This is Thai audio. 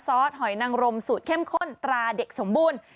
ซอสหอยนังรมสูตรเข้มข้นตราเด็กสมบูรณ์